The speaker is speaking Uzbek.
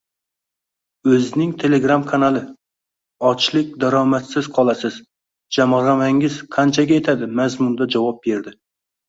o'zning telegramm kanali "ojlik daromadsiz qolasiz ƶamƣarmangiz qancaga etadi" mazmunida javob beradi